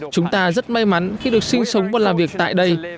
chúng ta rất may mắn khi được sinh sống và làm việc tại đây